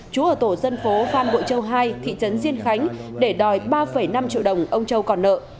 chú ở tổ dân phố phan bội châu hai thị trấn diên khánh để đòi ba năm triệu đồng ông châu còn nợ